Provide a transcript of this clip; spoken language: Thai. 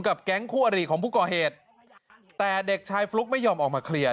แก๊งคู่อริของผู้ก่อเหตุแต่เด็กชายฟลุ๊กไม่ยอมออกมาเคลียร์